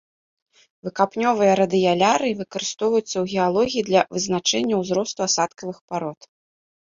Выкапнёвыя радыялярыі выкарыстоўваюцца ў геалогіі для вызначэння ўзросту асадкавых парод.